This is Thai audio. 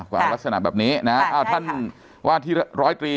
อ๋ออ่าค่ะว่ารักษณะแบบนี้นะอ่าใช่ค่ะอ่าท่านว่าที่ร้อยตรี